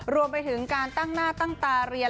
รวมไปถึงการตั้งหน้าตั้งตาเรียน